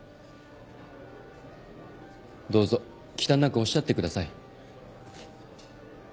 どうぞ忌憚なくおっしゃってください。